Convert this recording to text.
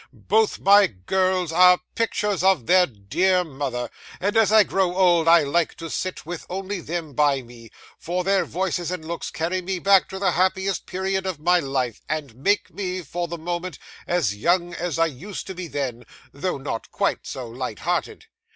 Both my girls are pictures of their dear mother, and as I grow old I like to sit with only them by me; for their voices and looks carry me back to the happiest period of my life, and make me, for the moment, as young as I used to be then, though not quite so light hearted.